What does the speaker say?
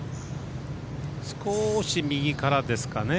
少し右からですかね。